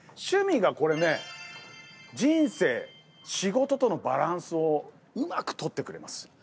趣味がこれね人生仕事とのバランスをうまく取ってくれます。